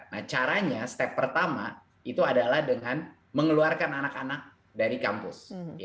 nah caranya step pertama itu adalah dengan mengeluarkan anak anak dari kampus